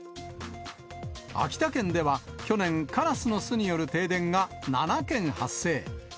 秋田県では、去年、カラスの巣による停電が７件発生。